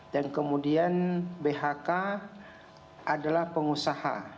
dan kemudian bhk adalah pengusaha